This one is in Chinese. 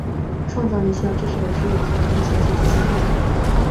创造力需要知识的支援才能呈现其最佳状态。